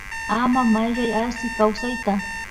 Ama Mayllay Asi kawsayta